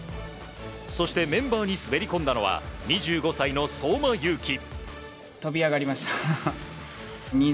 そしてメンバーに滑り込んだのは２５歳の相馬勇紀。